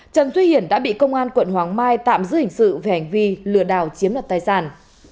trần duy hiển đã bị công an quận hoàng mai tạm giữ hình sự về hành vi lừa đảo chiếm đoạt tài sản